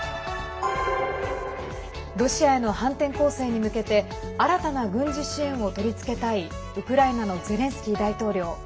ロシアへの反転攻勢に向けて新たな軍事支援を取り付けたいウクライナのゼレンスキー大統領。